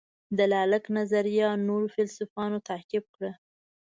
د لاک نظریه نورو فیلیسوفانو تعقیب کړه.